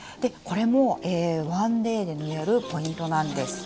これも１ｄａｙで縫えるポイントなんです。